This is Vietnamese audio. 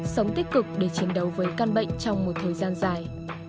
sống tích cực để chiến đấu với căn bệnh trong một thời gian dài